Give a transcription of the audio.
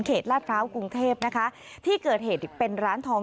ลาดพร้าวกรุงเทพนะคะที่เกิดเหตุเป็นร้านทอง